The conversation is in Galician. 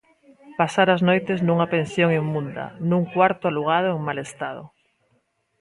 Pasar as noites nunha pensión inmunda, nun cuarto alugado en mal estado.